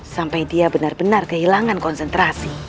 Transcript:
sampai dia benar benar kehilangan konsentrasi